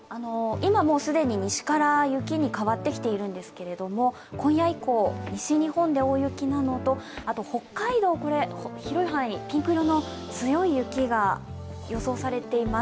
今もう既に西から雪に変わってきているんですけれども今夜以降、西日本で大雪なのと北海道、広い範囲、ピンク色の強い雪が予想されています。